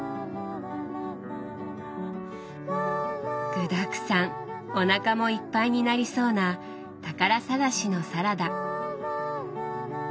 具だくさんおなかもいっぱいになりそうな「宝探しのサラダ」。